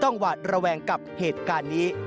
หวาดระแวงกับเหตุการณ์นี้